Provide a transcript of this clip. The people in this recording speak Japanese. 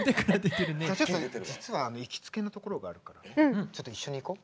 実は行きつけの所があるからちょっと一緒に行こう。